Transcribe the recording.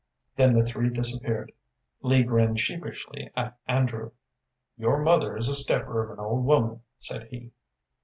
Then the three disappeared. Lee grinned sheepishly at Andrew. "Your mother is a stepper of an old woman," said he.